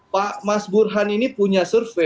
pak mas burhan ini punya survei